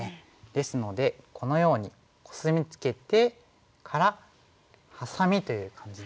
ですのでこのようにコスミツケてからハサミという感じで。